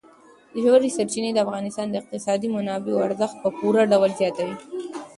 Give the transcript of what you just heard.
ژورې سرچینې د افغانستان د اقتصادي منابعو ارزښت په پوره ډول زیاتوي.